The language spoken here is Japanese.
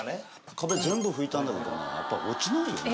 壁全部拭いたんだけどねやっぱ落ちないよね。